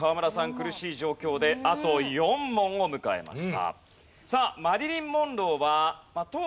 苦しい状況であと４問を迎えました。